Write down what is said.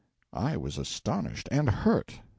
I was astonished and hurt.